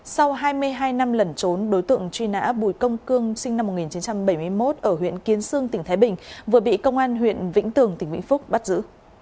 sau hai mươi hai năm lẩn trốn đối tượng truy nã bùi công cương sinh năm một nghìn chín trăm bảy mươi một ở huyện kiến sương tỉnh thái bình vừa bị công an huyện vĩnh tường tỉnh vĩnh phúc bắt giữ